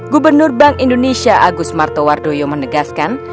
gubernur bank indonesia agus martowardoyo menegaskan